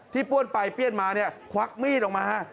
ป้วนไปเปี้ยนมาเนี่ยควักมีดออกมา